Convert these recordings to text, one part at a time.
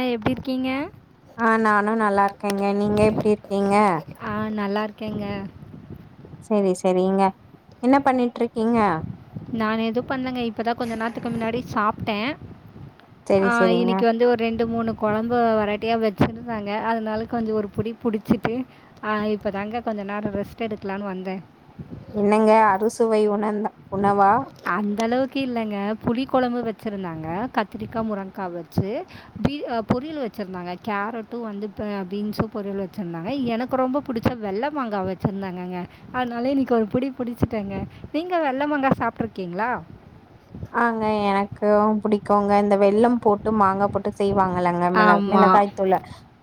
அ எப்டி இருக்கீங்க ஆ நானு நல்லாருக்கேங்க நீங்க எப்டி இருக்கீங்க கேங்க சேரி சேரிங்க என்ன பண்ணிட்டு இருக்கீங்க நானு எது பண்லங்க இப்பதா கொஞ்சோ நேரத்துக்கு முன்னாடி சாப்புட்ட செரி ஆ செரிங்க இன்னிக்கு வந்து ஒரு ரெண்டு மூணு கொழம்பு வெரைட்டியாக வெச்சுருந்தாங்க அதனால கொஞ்சோ ஒரு புடி புடிச்சுட்டு ஆ இப்போ தாங்க கொஞ்ச நேரோ ரெஸ்ட் எடுக்கலான்னு வந்த என்னங்க அறுசுவை உணந்தா அந்தளவுக் க்கு இல்லங்க புளி கொழம்பு வெச்சுருந்தாங்க கத்திரிக்கா முருங்கா வெச்சு பீ பொரியல் வெச்சுருந்தாங்க கேரட்டு வந்து இப்ப பீன்ஸு பொரியல் வெச்சுருந்தாங்க எனக்கு ரொம்போ புடுச்ச வெள்ள மாங்கா வெச்சுருந்தாங்கங்க அதனால இன்னிக்கு ஒரு புடி புடுச்சுட்டேங்க நீங்க வெள்ள மாங்கா சாப் சாப்ட்ருக்கீங்களா ஆங்க எனக்கு புடிக்குங்க இந்த வெள்ளம் போட்டு மாங்கா போட்டு செய்வாங்களங்க மிள ஆமாம் மிளகாய் தூள்ல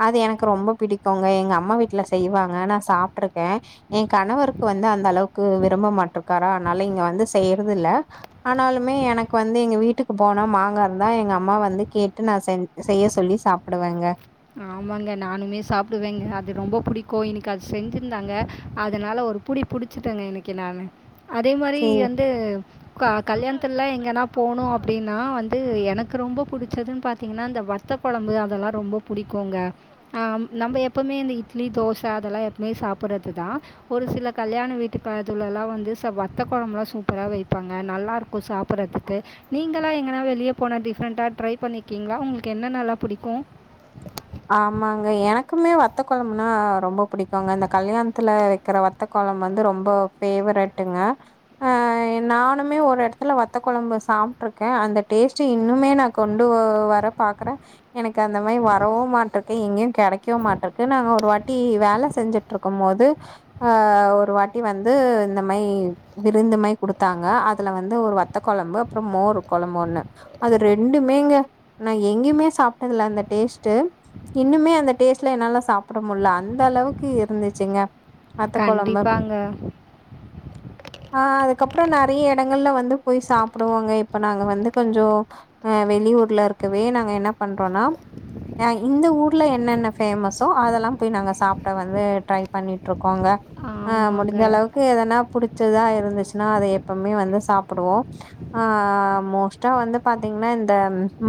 அது எனக் கு ரொம்ப புடிக்குங்க எங்க அம்மா வீட்ல செய்வாங்க நா சாப்ட்ருக் க எ கணவருக் கு வந்து அந்த அளவுக்கு விரும்ப மாட்ருக்காரா அதனால இங்க வந்து செய்றது இல்ல ஆனாலு மே எனக்கு வந்து எங்க வீட்டுக்கு போனா மாங்கா இருந்தா எங்க அம்மா வந்து கேட்டு நா செஞ் செய்ய சொல்லி சாப்புடுவேங்க ஆமாங்க நானுமே சாப்புடுவேங்க அது ரொம்போ புடிக்கு இன்னிக்கு அது செஞ்சுருந்தாங்க அதனால ஒரு புடி புடிச்சுட்டங்க இன்னிக்கு நானு அதே மாரி செரி வந்து க கல்யாணோ த்துலா எங்கனா போணு அப்டின்னா வந்து எனக்கு ரொம்போ புடுச்சதுன் பாத்தீங்கன்னா இந்த வத்த கொழம்பு அதல்லா ரொம்போ புடிக்குங்க ஆ நம்ப எப்பமே இந்த இட்லி தோச அதெல்லா எப்பவுமே சாப்புர்றதுதா ஒரு சில கல்யாண வீட்டுக்கலத்துலலா வந்து ச வத்த கொழம்புலா சூப்பரா வைப்பாங்க நல்லாருக்கு சாப்புர்றத்துக்கு நீங்களா எங்கன்னா வெளிய போனா டிஃப்ரெண்ட்டா ட்ரை பண்ணிக்கீங்களா உங்களுக்கு என்னென்னல்லா புடிக்கு ஆமாங்க எனக்குமே வத்த கொழம்புனா ரொம்போ புடிக்குங்க இந்த கல்யாணத்துல வெக்கிற வத்த கொழம் வந்து ரொம்ப ஃபேவரட்டுங்க ஆ நானுமே ஒரு எடத்துல வத்த கொழம்பு சாப்ட்ருக்க அந்த டேஸ்ட்டு இன்னுமே நா கொண்டு வர பாக்குற எனக்கு அந்த மாரி வர் மாட்டக்கு எங்கயுங் கெடைக்கவு மாட்ருக்கு நாங்க ஒரு வாட்டி வேல செஞ்சுட்ருக்கும் போது ஆ ஒரு வாட்டி வந்து இந்த மாரி விருந்து மாரி குடுத்தாங்க அதுல வந்து ஒரு வத்த கொழம்பு அப்புறோ மோரு கொழம்பு ஒன்னு அது ரெண்டுமேங்க நா எங்கயுமே சாப்டதில்ல அந்த டேஸ் டு இன்னுமே அந்த டேஸ்டுல என்னால சாப்புட முடில அந்த அளவுக்கு இருந்துச்சுங்க வத்த கொழம்பு கண்டிப்பாங்க ஆ அதுக்கப்பறோ நறையா எடங்கள்ல வந்து போய் சாப்புடுவோங்க இப்ப நாங்க வந்து கொஞ்சோ அ வெளியூர்ல இருக்கவே நாங்க என்ன பண்றோனா இந்த ஊர்ல என்னென்ன ஃபேமஸ்ஸோ அதெல்லாம் போய் நாங்க சாப்புட வந்து ட்ரை பண்ணிட்ருக் இருக்கோங்க ஆ ஆமாங்க. முடுஞ்ச அளவுக்கு எதனா புடுச் ச்சுதா இருந்துச்சுன்னா அதை எப்பமே வந்து சாப்புடுவோ அ மோஸ்டா வந்து பாத்தீங்கன்னா இந்த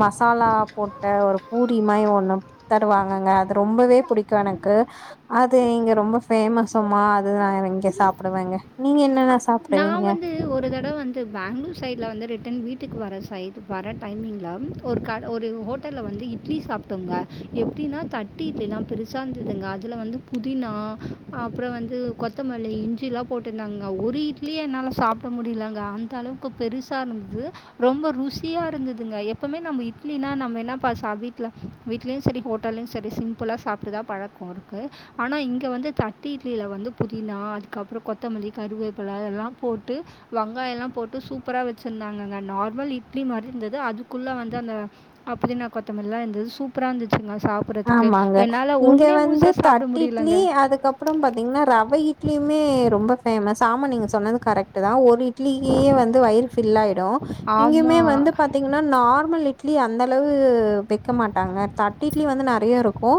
மசாலா போட்ட ஒரு பூரி மாரி ஒன் ன்னு தருவாங்கங்க அது ரொம்பவே புடிக்கு எனக்கு அதுங்க ரொம்போ ஃபேமஸ்ஸாமா அதுதாங்க இங்க சாப்டுவேங்க நீங்க என்னென்ன நா சாப்டுவீங்க வந்து ஒரு தடவ வந்து பேங்களூர் சைடு இதுல வந்து ரிட்டன் வீட்டுக்கு வர சைடு பாரே டைமிங்லா ஒரு கட ஒரு ஹோட்டல்ல வந்து இட்லி சாப்ட்டோங்க எப்டின்னா தட்டு இட்லிலாம் பெருசா இருந்துதுங்க அதுல வந்து புதினா அப்புறோ வந்து கொத்தமல்லி இஞ்சிலா போட்டுருந்தாங்கங் ஒரு இட் இட்லிய என்னால சாப்புட முடிலங்க அந்த அளவுக்கு பெருசா இருந்தது ரொம்ப ருசியா இருந்ததுங்க எப்பமே நம்ம இட்லினா நம்ம என்ன ப சா வீட்ல வீட்லேயு சேரி ஹோட்டல்லயு சேரி சிம்புளா சாப்ட்டுதா பழக்கோ இருக்கு ஆனா இங்க வந்து தட்டு இட்லில வந்து புதினா அதுக்கப்புறோ கொத்தமல்லி கருவேப் இப்பல்லா அதெல்லாம் போட்டு வெங்காயோ எல்லாம் போட்டு சூப்பரா வெச்சுருந்தாங்கங்க நார்மல் இட்லி மாரி இருந்தது அதுக்குள்ள வந்து அந்த அப் புதினா கொத்தமல்லில்லா இருந்தது சூப்பரா இருந்துச்சுங்க சாப்பிட்றதுக்கு ஆமாங்க என்னால் இங்க ஒன்றே வந்து முழுசாக சாப்பிட தட்டு இட்லி முடியலங்க அதுக்கப்பறோம் பாத்தீங்கன்னா ரவ இட்லியுமே ரொம்ப ஃபேமஸ் ஆமா நீங்க சொன்னது கரெக்ட்டுதா ஒரு இட் இட்லியே வந்து வயிறு பில்லாயிடு இங்கியுமே வந்து ஆமாம் பாத்தீங்கன்னா நார்மல் இட் ் இட்லி அந்த அளவு வெய்க்க மாட்டாங்க த இட்லி வந்து நெறய இருக்கு ஓ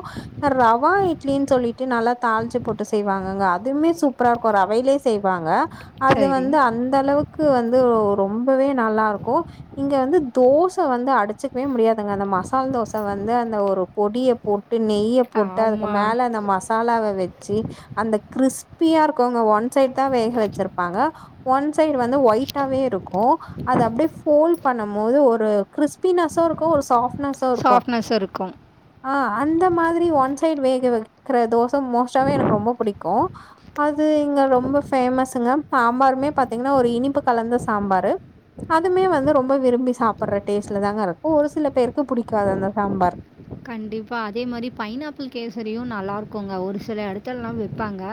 ரவா இட்லின்னு சொல்லிட்டு நல்லா தாளுச்சு போட்டு செய்வாங்கங்க இதுவுமே சூப்பரா இருக்கு ரவையிலே செய்வாங்க அது சரி வந்து அந்த அளவுக்கு வந்து ரொம்பவே நல்லா இருக்கு இங்க வந்து தோச வந்து அடுச்சுக்கவே முடியாதுங்க அந்த மசால் தோச வந்து அந்த ஒரு பொடிய போட் ட்டு நெய்ய போட்டு அதுக்கு ஆமாம் மேல அந்த மசாலாவ வச்சு அந்த கிர்ஸ் ப்பியா இருக்கோங்க ஒன் ஒன் சைட் தா வேக வச்சிருப்பாங்க ஒன் சைடு வந்து ஒயிட்டாவே இருக்கு அது அப்டியே ப்போல் பண்ணும் போது ஒரு கிறிஸ்பினெஸு இருக்கு ஒரு சாஃப்ட் சாப்ட்னஸ்ஸு இருக்கு ஆ அந்த மாதிரி ஒன் சைட் வே இங்க விக்கிற தோச ஸ் மோஸ்ட்டாவே எனக்கு ரொம்ப பிடிக்கு அது இங்க ரொம்ப பேமஸுங்க சாம்பாருமே பாத்தீங்கன்னா ஒரு இனிப்பு கலந்த சாம்பாரு அதுமே வந்து ரொம்ப விரும்பி சாப்பிடுற டேஸ்ட்லதாங்க இருக்கு ஒரு சில பேருக்கு பிடிக்காது அந்த சாம்பார் கண்டிப்பா அதே மாதிரி பைனாப்பிள் கேசரியு நல்லா இருக்குங்க ஒரு சில எடத்துலல்லா விப்பாங்க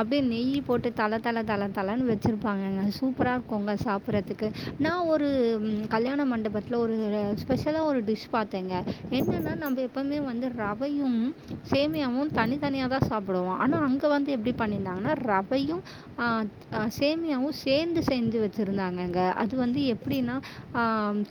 அப்டியே நெய் போட்டு தல தல தலன்னு வச்சுருப்பாங்க சூப்பராக இருக்குங்க சாப்பிடறதுக்கு நா ஒரு கல்யாண மண்டபத்துல ஒரு ஸ்பெஷலா ஒரு டிஷ் பாத்தேங்க என்னன்னா நம்ம எப்பவுமே வந்து ரவையும் சேமியாவும் தனித்தனியாக தா சாப்டுவோ ஆனா அங்க வந்து எப்டி பண்ணியிருந்தாங்கன்னா ரவையு சேமியாவு சேர்ந்து செஞ்சு வச்சருந்தாங்க அங்க அது வந்து எப்டின்னா ஆ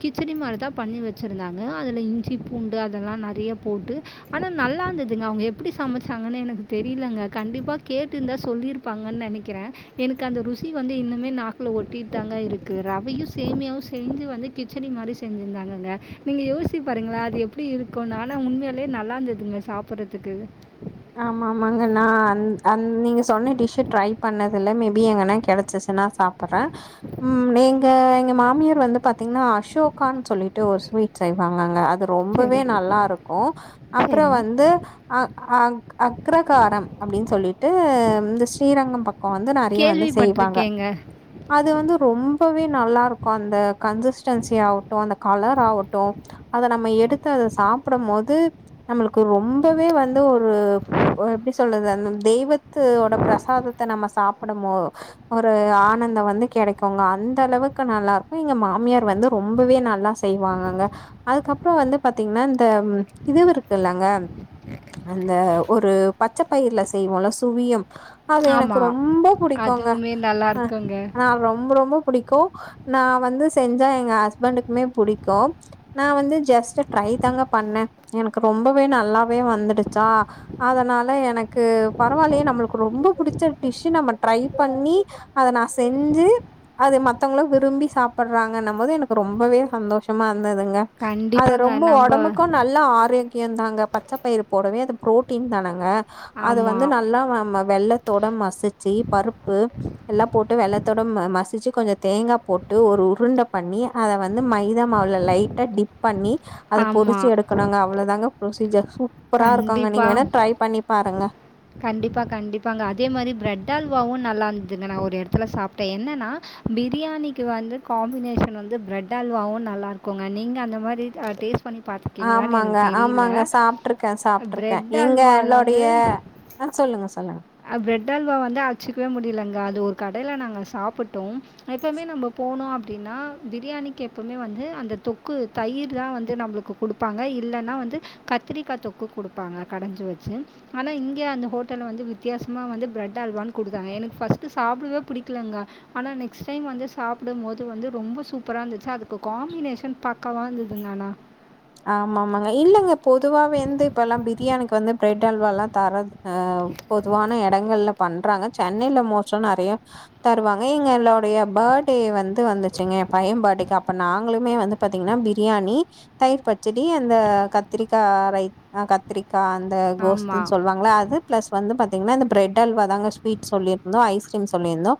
கிச்சடி மாதிரி தா பண்ணி வச்சுருந்தாங்க அதுல இஞ்சி பூண்டு அதெல்லா நெறய போட்டு ஆனா நல்லா இருந்ததுங்க அவுங்க எப்டி சமச்சாங்கன்னு எனக்கு தெரியலங்க கண்டிப்பா கேட்டுருந்தா சொல்லியிருப்பாங்கன்னு நெனக்குறே எனக்கு அந்த ருசி வந்து இன்னுமே நாக்குல ஒட்டிட்டு தாங்க இருக்கு ரவையு சேமியாவு சேந்து வந்து கிச்சடி மாதிரி செஞ்சிருந்தாங்க நீங்க யோசிச்சு பாருங்களே அது எப்டி இருக்கு நாக்ல ஆனா உண்மையிலே நல்லா இருந்ததுங்க சாப்பிரறதுக்கு அ நீங்க சொன்ன டிஷ் ட்ரை பண்ணதுல மேபி எங்கனா கெடச்சிச்சுன்னா சாப்புட்றே நீங்க எங்க மாமியார் வந்து பாத்தீங்கன்னா அசோகான்னு சொல்லிட்டு ஒரு ஸ்வீட் செய்வாங்கங்க அங்கது ரொம்பவே சரி நல்லா இருக்கு அப்புற சரி வந்து அ அ அக்ரகாரம் அப்டின்னு சொல்லிட்டு இந்த ஸ்ரீரங்கம் பக்க இப்ப வந்து நெறய வந்து செய்வாங்க கேள்விப்பட்டிருக்கேங்க அது வந்து ரொம்பவே நல்லா இருக்கு க்கோ அந்த கன்சசிஸ்டன்சி ஆகட்டு அந்த கலர் ஆகட்டு அத நம்ம எடுத்து அத சாப்புடும்போது நம்மளுக்கு ரொம்பவே வந்து ஒரு எப்டி சொல்றது அந்த தெய்வத்தோட பிரசாதத்த நம்ம சாப்படம் போது ஒரு ஆனந்த வந்து கெடைக்ங்குல அந்த அளவுக்கு நல்லா இருக்கு எங்க மாமியார் வந்து ரொம்பவே நல்லா செய்வாங்கங்க அதுக்கப்றோ வந்து பாத்தீங்கனா இந்த இதுவு இருக்கு இல்லங்க அ அந்த ஒரு பச்ச பயிரில செய்வோல சுவியம் அது எனக்கு ஆமாம் ரொம்ப புடிக்குங்க அதுவுமே நல்லா அ இருக்குங்க ஆன ரொம்ப ரொம்ப புடிக்கு சோ நா வந்து செஞ்சா எங்க ஹஸ்பண்டுக்குமே புடிக்கு நா வந்து ஜஸ்ட் ட்ரை தாங்க பண்ணே எனக்கு ரொம்பவே நல்லாவே வந்துடுச்சா அதனால எனக்கு பரவாயில்லயே நம்மளுக்கு ரொம்ப பிடிச்ச டிஷ் நம்ம ட்ரை பண்ணி அத நா செஞ்சு அது மத்தவங்களு விரும்பி சாப்ருறாங்கன்னும் போது எனக்கு ரொம்பவே சந்தோஷமா ந்ததுங்க அது கண்டிப்பாங்க ரொம்ப நம்ம ஒடம்புக்கு நல்லா ஆரோக்கியொ தாங்க பச்ச பயிர் போடவே ப்ரோட் டீன் தானங்க அத வந்து ஆமாம் நல்லா வ ம வெல்ல த்தோட மசிச்சு பருப்பு எல்லா போட்டு வெல்லத்தோட மசிச்சு கொஞ்ச தேங்கா போட்டு ஒரு உருண்ட பண்ணி அத வந்து மைதா மாவுல லைட்டா டிப் பண்ணி அத பொறிச்சு ஆமாம் எடுக்கனுங்க அவ்ளதாங்க ப்ரொசிஜர் சூப்பரா இருக்குங்க நீங்க வேணா ட்ரை பண்ணி பாருங்க. கண்டிப்பா கண்டிப்பாங்க அதே மாரி பிரெட்டல்வாவு நல்லா ந்ததுங்க ஒரு எடத்துல சாப்டே என்னனா பிரியாணிக்கு வந்து காம்பினேஷன் வந்து பிரட் அல்வாவு நல்லாருக்குங்க நீங்க அந்த மாரி டேஸ் பண்ணி பாத்துக்கீங்ளான் எனக் தெரில கே சாப்ட்ருக்கே எங்களோடைய அ சொல்லுங்க சொல்லுங்க அ பிரெட் அல்வா வந்து அச்சுக்கவே முடியலங்க அது ஒரு கடைல நாங்க சாப்புட்டோம் எப்பவ்மே நம்ம போனோ அப்டின்னா பிரியாணிக்கு எப்பவ்மே வந்து அந்த தொக்கு தயிர் தா வந்து நம்பளுக்கு குடுப்பாங்க இல்லன்னா வந்து கத்திரிக்கா தொக்கு குடுப்பாங்க கடஞ்சு வச்சு ஆனா இங்க அந்த ஹோட்டல்ல வந்து வி த்தியாசமா வந்து பிரெட் அல்வான் குடுத்தாங்க எனக்கு ஃபஸ்ட்டு சாப்டவே புடிக்லங்க ஆனா நெக்ஸ்ட் டைம் வந்து சாப்புடும் போது வந்து ரொம்ப சூப்பரா இந்துச்சு அதுக்கு காம்பினேஷன் பக்காவா இருந்துதுங்க ஆனா ஆமாமாங்க இல்லங்க பொதுவாவே எந்து இப்பல்லா பிரியாணிக்கு வந்து பிரெட் அல்வாலா தர ஆ பொதுவான எடங்கள்ல பண்றாங்க சென்னைல மோஸ்டா நறைய தருவாங்க எங்களோடைய பர்டே வந்து வந்துச்சுங்க எ பைய பர்டேக்கு அப்ப நாங்களுமே வந்து பாத்தீங்கனா பிரியாணி தயிர் பச்சடி அந்த கத்திரிக்கா ரை‌ ஆ கத்திரி க்கா அந்த கோஸ்துன் ஆமாம் சொல்வாங்கள அது பிளஸ் வந்து பத் தீங்னா இந்த பிரட்அல்வா தாங்க ஸ்வீட் சொல்லிர்ந்தோ ஐஸ்கிரீம் சொல்லிர்ந்தோ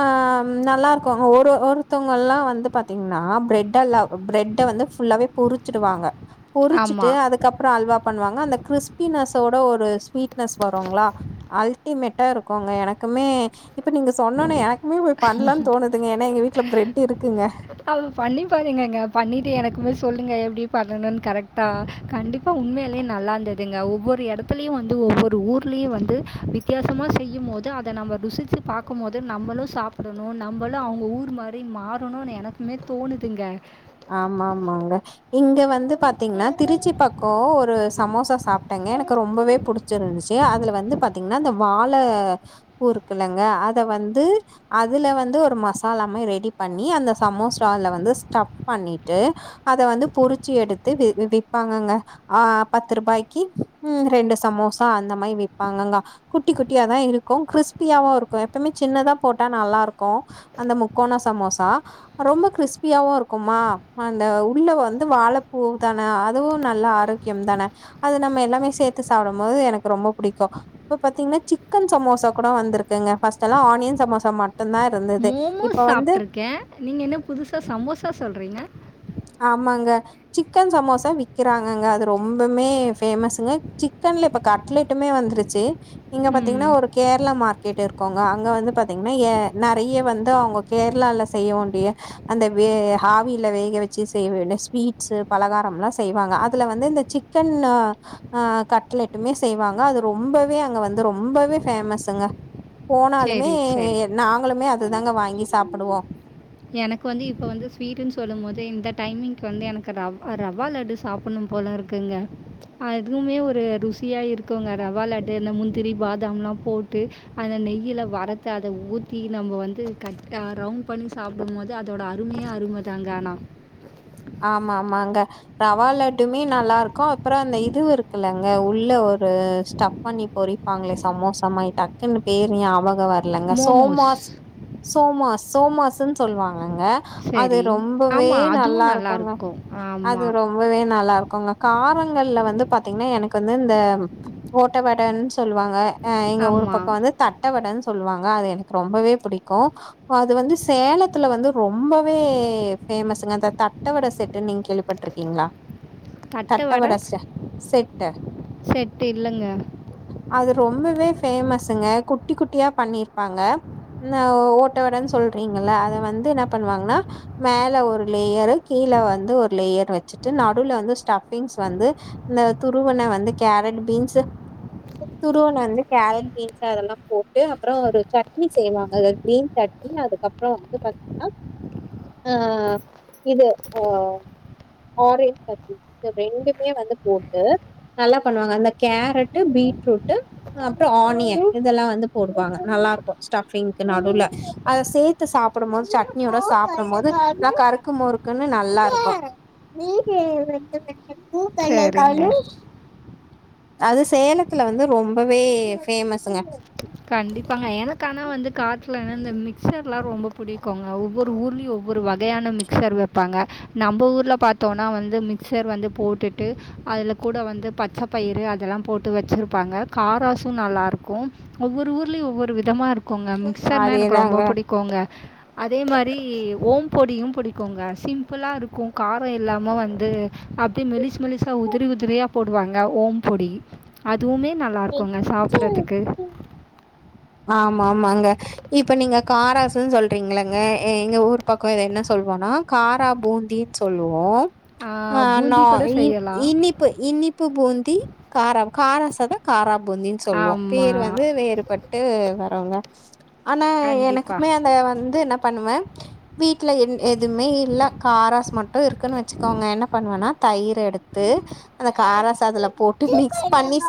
ஆ ம் நல்லாருக்கு ஒரு ஒருத்தவ்ங்கல்லா பாத்திங்னா பிரட் அல்லா பிரட்ட வந்து ஃபுல்லாவே பொரு ச்சுடுவாங்க பொருச்சுட்டு ஆமாம் அதுக்கப்ற அல்வா பண்வாங்க அந்த கிரிஸ்பினஸ்ஸோட ஒரு ஸ்வீட்னஸ் வருங்ளா அல்டிமெட்டா இருக்குங்க எனக்குமே இப்ப நீங்க சொன்னோன என க்குமே போய் பண்லான் தோணுதுங்க ஏனா எங்க வீட்ல பிரெட் இருக்குங்க ட்டு எனக்குமே சொல்லுங்க எப்டி பண்ணணுன் கரெக்டா கண்டிப்பா உண்மையாலே நல்லாந்ததுங்க ஒவ்வொரு எடத்துலயு வந்து ஒவ்வொரு ஊர்லயு வந்து வித்யாசமா செய்யும்மோது அத நம்ம ருசிச்சு பாக்கும்மோது நம்மளு சாப் புடனு நம்பளு அவுங்க ஊர் மாரி மாறனுன் எனக்குமே தோணுதுங்க ஆமாமாங்க இங்க வந்து பாத்தீங்னா திருச்சி பக்கோ ஒரு சமோசா சாப்டேங்க எனக்கு ரொம்பவே புடிச்சுருந்துச்சு அதுல வந்து பாத்தீங்னா அந்த வாழ பூ இருக்குலங்க அத வந்து அதுல வந்து ஒரு மசாலா மார் ரெடி பண்ணி அந்த சமோசால வந்து ஸ்டஃப் பண்ணிட்டு அத வந்து பொரிச்சி எடுத்து வி விப்பாங்கங்க ஆ பத்து ருபாய்க்கி ம் ரெண்டு சமோசா அந்த மாயி விப்பாங்கங்க குட்டி குட்டியாதா இருக்கு கிரிஸ்பியாவு இருக்கு எப்பமே சின்னதா போட்டா நல்லாருக்கு அந்த முக்கோண சமோசா ரொம்ப கிரிஸ்பியாவு இருக் குமா அந்த உள்ள வந்து வாழப்பூ தானே அதுவு நல்ல ஆரோக்யம் தான அது நம்ம எல்லாமே சேத்து சாப்டும் போது எனக்கு ரொம்ப புடிக்கு இப்ப பாத்தீங்னா சிக்கன் சமோசா கூட வந்துருக்குங்க ஃபஸ்டெல்லா ஆனியன் சமோசா மட் மோமோஸ் சாப்ட்ருக்கே நீங்க என்ன புதுசா சமோ சா சொல்றீங்க ஆமாங்க சிக்கன் சமோசா வி்க்கிறாங்கங்க அது ரொம்பமே ஃபேமஸுங்க சிக்கன்ல இப்ப கட்லெட்டுமே வந்துருச்சு இங்க பத்தீங்னா ம். ஒரு கேரளா மார் கேட்டுருக்கோங்க அங்க வந்து பாத்தீங்கன்னா யே நெறைய வந்து அவங்க கேரளால செய்ய வேண்டிய அந்த வே ஹாவில வேக வ ச்சு செய்ய வேண்டிய ஸ்வீட்ஸு பலகாரம்லா செய்வாங்க அதுல வந்து இந்த சிக்கன் ஆ ஆ கட்லெட்டுமே செய்வாங்க அது ரொம்பவே அங்க வந்து ரொம்பவே ஃபேமஸுங்க. போனாலுமே சரி, சரி. நாங்களுமே அதுதாங்க வாங் கி சாப்டுவோ. எனக்கு வந்து இப்ப வந்து ஸ்வீட்டுன் சொல்லும் போதே இந்த டைமிங்க்கு வந்து எனக்கு ரவ் அ ரவா லட்டு சாப்பட்ணு போல இருக்குங்க. அதுமே ஒரு ருசியா இருக்குங்க ரவா லட்டு அந்த முந்திரி பாதாம்லா போட்டு அந்த நெய்யில வறுத்து அத ஊத்தி நம்ப வந்து கட் ஆ ரவுண்ட் சாப்டும்போது அதோட அருமையே அருமதாங்க ஆனா. ஆமா ஆமாங்க ரவா லட்டுமே நல்லா இருக்கு அப்புறோ அந்த இதுவு இருக்குல்லங்க உள்ள ஒரு ஸ்டஃப் பண்ணி பொரிப்பாங்களே சமோசா மாரி டக்குன்னு பேரு ஞாபகம் வ ரலங்க மோமோஸ் சோமாஸ் சோமாஸ். சோமாஸுன் சொல்வாங் கங்க அது சரி ரொம்பவே ஆமாம் நல்லா அதுவும் இரு க்குங்க இருக்கும் அது ஆமாம் ரொம்பவே நல்லா இருக்குங்க காரங் கள்ல வந்து பாத்தீங்ன்னா எனக்கு வந்து இந்த ஓட்ட வடன்னு சொல்வாங்க. ஆ எங்க ஊர் பக்கோ ஆமாம் வந்து தட்ட வடன்னு சொல்வா ங்க அது எனக்கு ரொம்பவே பிடிக்கு. அது வந்து சேலத்துல வந்து ரொம்பவே ஃபேமஸுங்க அந்த த ட்ட வட செட்டுன்னு நீங்க கேள்விப்பட்ருக்கீங்களா? தட்டை தட்ட வடை வட செ செட்டு செட்டு இல்லைங்க அது ரொம்ப பவே ஃபேமஸுங்க குட்டி குட்டியா பண்ணிருப்பாங்க. ஆ ஓட்ட வடன்னு சொல்றீங்கல்ல அத வந்து என்னா பண்ணுவாங்கன்னா மேல ஒரு லேயரு கீழ வந்து ஒரு லேயர் வச்சுட்டு நடுவுல வந்து ஸ்டஃபிங்ஸ் வந்து இந்த துருவுன வந்து கேரட், பீன்ஸு துருவுன வந்து கேரட், பீன்ஸ் அதெல்லா போட்டு அப்புறோ ஒரு சட்னி செய்வாங்க கிரீன் சட்னி அதுக்கப்புறோ வந்து பாத்தீங்னா ஆ இது ஆ ஆரஞ்ச் சட்னி இது ரெண்டுமே வந்து போட்டு நல்லா பண்ணுவாங்க. அந்த கேரட்டு பீட்ரூட்டு அப்றோ ஆனியன் இதெல்லா வந்து போடுவாங்க நல்லா இருக்கு ஸ்டஃபிங்க்கு நடுவுல அத சேத்து சாப்படும்போது சட்னியோட சாப்டும்போது நல்லா கறுக்குமுறுக் குன்னு நல்லா இருக்கு. ப்ளு கலர் சரிங்க கானோ. அது சேலத்துல வந்து ரொம்பவே ஃபேமஸுங்க. கண்டிப்பாங்க. எனக்கு ஆனா வந்து காரத்துலனா இந்த மிக்சர்லா ரொம்ப புடிக்குங்க. ஒவ்வொரு ஊர்லயு ஒவ்வொரு வகையான மிக்சர் வெப்பாங்க. நம்ப ஊர்ல பாத்தோன்னா வந்து மிக்சர் வந்து போட்டுட்டு அதுல கூட வந்து பச்சப்பயிறு அதெல்லாம் போட்டு வச்சுருப்பாங்க காராஸு நல்லாருக்கு ஒவ்வொர் ஊர்லயு ஒவ்வொரு விதமா இரு க்குங்க மிக்சர்னா எனக்கு ரொம்ப அதேதாங்க பிடிக்குங்க. அதே மாரி ஓம் பொடியு பிடிக்குங்க. சிம்பிளா இருக்கு காரோ இல்லாம வந்து அப்டியே மெலிசு மெலிசா உதிரி உதிரியா போடுவாங்க ஓம் பொடி அ அதுவுமே நல்லா இருக்குங்க சாப்டறதுக்கு. ஆமா ஆமாங்க. இப்ப நீங்க காராஸுன்னு சொல்றீங்கல்லங்க எ எங்க ஊர் பக்கோ இத என்ன சொல்வோன்னா காரா பூந்தின்னு சொல்லுவோ. ஆ நா பூந்தி கூட இன் செய்யலாம் இனிப்பு இனிப்பு பூந் பூந்திகாரம் கார சாத காரம். பூந்தின்னு சொல்லுவோம் பேர் ஆமாம் வந்து வேறுபட்டு. வரவங்க. ஆனா கண்டிப்பாக எனக்குமே அந்த வந்து என்ன பண்ணுவேன். வீட்டுல என். எதுமே இல்ல காராஸ் மட்டும் இருக்குன்னு வச்சுக்கோங்க என்ன பண்ணுவேனா தயிர எடுத்து அந்த காரா சாதுல போட்டு மிக்ஸ் பண்ணி